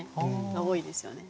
が多いですよね。